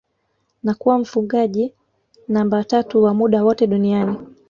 na kuwa mfungaji namba tatu wa muda wote duniani